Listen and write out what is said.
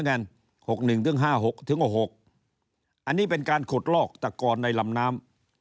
อันนี้เป็นการขุดลอกตะกอนในลำน้ำ